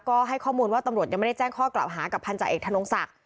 ก็ให้ข้อมูลว่าตำรวจยังไม่ได้แจ้งข้อกล่าวหากับพันธาเอกธนงศักดิ์